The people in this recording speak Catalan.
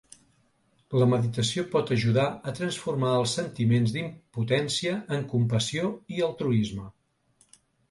La meditació pot ajudar a transformar els sentiments d’impotència en compassió i altruisme.